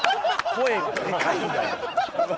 声がでかいんだよ！